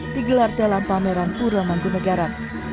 digelar dalam pameran uramanggunegara